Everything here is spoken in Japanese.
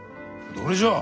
どれじゃ？